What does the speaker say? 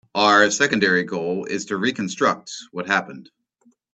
Our secondary goal is to reconstruct what happened.